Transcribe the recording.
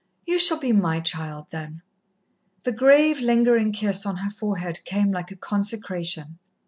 You shall be my child then." The grave, lingering kiss on her forehead came like a consecration.